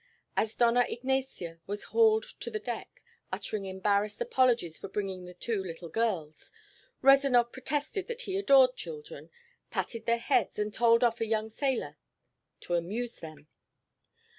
As Dona Ignacia was hauled to the deck, uttering embarrassed apologies for bringing the two little girls, Rezanov protested that he adored children, patted their heads and told off a young sailor to amuse them.